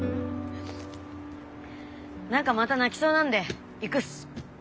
何かまた泣きそうなんで行くっす。